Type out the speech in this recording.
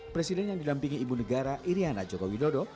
presiden yang dilampingi ibu negara iriana joko widodo